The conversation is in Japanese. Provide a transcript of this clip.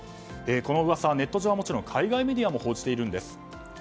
この噂はネット上はもちろん海外メディアも報じているんです。